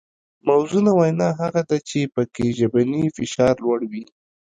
موزونه وینا هغه ده چې پکې ژبنی فشار لوړ وي